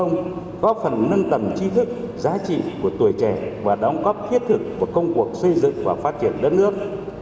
góp phần nâng tầm chi thức giá trị của tuổi trẻ và đóng góp thiết thực vào công cuộc xây dựng và phát triển đất nước